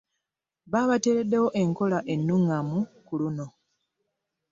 Babateereddewo enkola ennuŋŋamu ku luno.